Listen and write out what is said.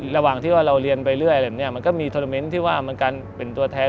ระหว่างที่ว่าเราเรียนไปเรื่อยแบบนี้มันก็มีโทรเมนต์ที่ว่ามันการเป็นตัวแทน